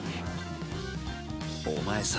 お前さ